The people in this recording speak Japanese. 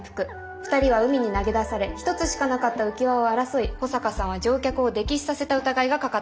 ２人は海に投げ出され一つしかなかった浮き輪を争い保坂さんは乗客を溺死させた疑いがかかっています。